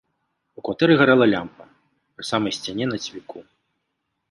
У кватэры гарэла лямпа, пры самай сцяне на цвіку.